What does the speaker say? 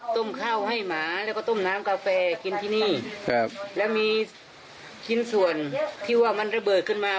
ต้มข้าวให้หมาแล้วก็ต้มน้ำกาแฟกินที่นี่ครับแล้วมีชิ้นส่วนที่ว่ามันระเบิดขึ้นมา